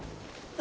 あ。